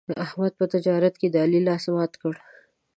احمد په تجارت کې د علي لاس مات کړ.